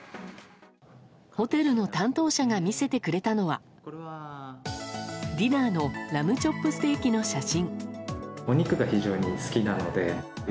ホテルの担当者が見せてくれたのはディナーのラムチョップステーキの写真。